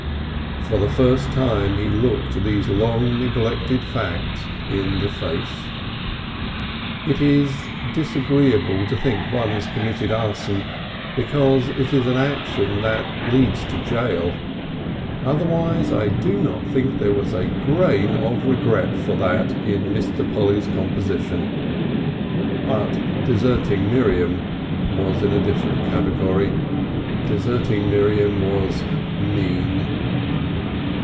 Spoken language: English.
For the first time he looked these long neglected facts in the face. It is disagreeable to think one has committed Arson, because it is an action that leads to jail. Otherwise I do not think there was a grain of regret for that in Mr. Polly's composition. But deserting Miriam was in a different category. Deserting Miriam was mean.